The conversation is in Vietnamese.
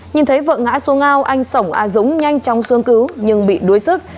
nhìn thấy vợ ngã xuống ngao anh sổng a dũng nhanh chóng xuống cứu nhưng bị đuối sức